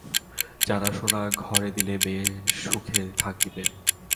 জানাশোনা ঘরে দিলে মেয়ে সুখে থাকিবে।